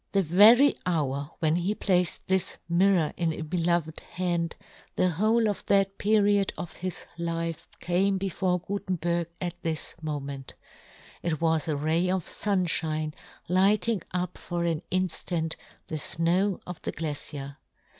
The very hour when he placed this mirror in a beloved hand, the whole of that period of his life came before Gutenberg at this moment ; it was a ray of funfhine lighting up for an inftant the fnow of the glacier.